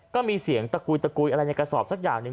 ก็มีเสียงตะกุยตะกุยอะไรในกระสอบสักอย่างหนึ่ง